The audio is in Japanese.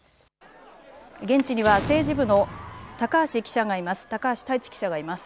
現地には政治部の高橋記者がいます。